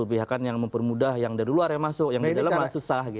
ya kan yang mempermudah yang dari luar yang masuk yang di dalam yang susah gitu